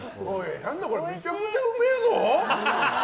何だこれめちゃくちゃうめえぞ！